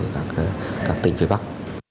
các tỉnh phía bắc